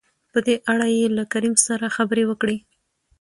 په دې اړه يې له کريم سره خبرې وکړې.